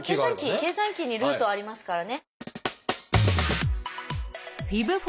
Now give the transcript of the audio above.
計算機に「√」ありますからね。